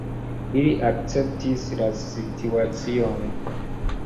Ili akceptis la situacion.